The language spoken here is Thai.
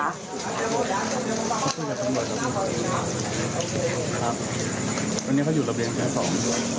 ครับวันนี้เขาอยู่ระเบียงแสงสอง